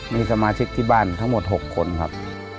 มีสมาชิกที่บ้านทั้งหมด๖คนครับ